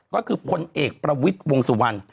ก็คือพลเอกประวิทย์วงสุวรรณ